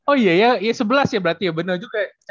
oh iya iya iya sebelas ya berarti ya bener juga